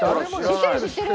知ってる知ってる！